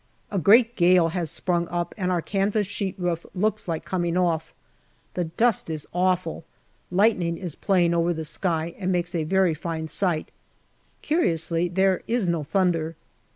A great gale has sprung up, and our canvas sheet roof looks like coming off. The dust is awful. Lightning is playing over the sky and makes a very fine sight ; curiously, there is no thunder.